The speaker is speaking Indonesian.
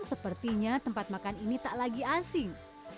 sepertinya tempat makan ini tak lagi asing